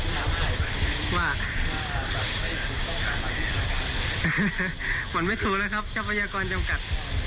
เหมือนไม่ถูแล้วครับชาวพยากรจำกัด